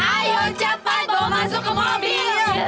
ayo cepat kau masuk ke mobil